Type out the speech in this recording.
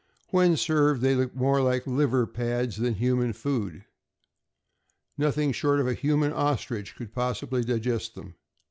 When served they look more like liver pads than human food. Nothing short of a human ostrich could possibly digest them.